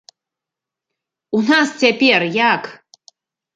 У нас цяпер як?